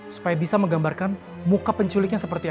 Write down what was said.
supaya bisa menggambarkan muka penculiknya seperti apa